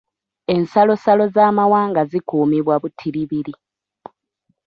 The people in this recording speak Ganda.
Ensalosalo z'amawanga zikuumibwa butiribiri.